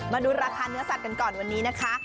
มาดูราคาเนื้อสัตว์กันก่อนวันนี้นะคะ